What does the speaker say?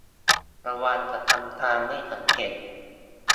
ระวังจะทำการไม่สำเร็จ